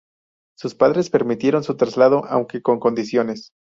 Sus padres permitieron su traslado, aunque con condiciones.